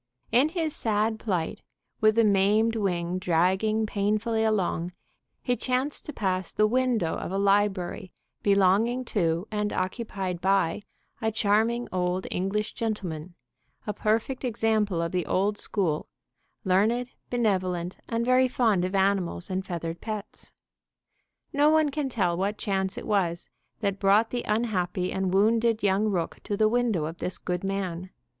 In his sad plight, with the maimed wing dragging painfully along, he chanced to pass the window of a library belonging to and occupied by a charming old English gentleman, a perfect example of the old school, learned, benevolent, and very fond of animals and feathered pets. No one can tell what chance it was that brought the unhappy and wounded young rook to the window of this good man.